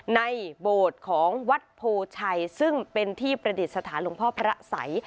ในโบรตของวัดโพชัยซึ่งเป็นที่ประเด็นสถานลงพพระสัย